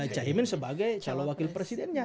caimin sebagai calon wakil presidennya